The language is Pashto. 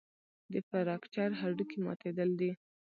د فراکچر هډوکی ماتېدل دي.